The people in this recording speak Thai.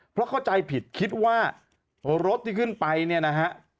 เพราะเข้าใจผิดคิดว่ารถที่ขึ้นไปเนี่ยนะฮะ